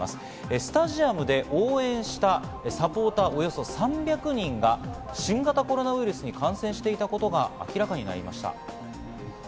スタジアムで応援したサポーター、およそ３００人が新型コロナウイルスに感染していたことが明らかになりました。